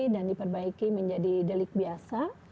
dan diperbaiki menjadi delik biasa